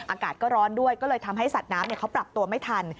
อากาศก็ร้อนด้วยก็เลยทำให้สัตว์น้ำเขาปรับตัวไม่ทัน